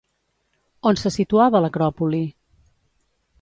On se situava l'acròpoli?